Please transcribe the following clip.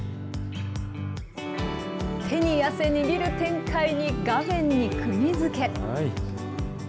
手に汗握る展開に、画面にくぎづけ。